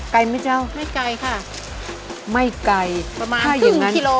ไกลไหมเจ้าไม่ไกลค่ะไม่ไกลประมาณครึ่งฮะไม่ไกล